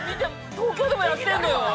◆東京でもやってんのよ。